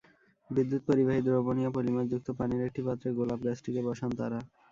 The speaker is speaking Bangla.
বিদ্যুৎ পরিবাহী দ্রবণীয় পলিমারযুক্ত পানির একটি পাত্রে গোলাপ গাছটিকে বসান তাঁরা।